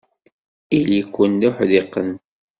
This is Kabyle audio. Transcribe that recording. Ili-ken d uḥdiqen.